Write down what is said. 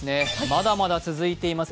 まだまだ続いています